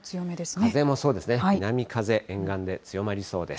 風もそうですね、南風、沿岸で強まりそうです。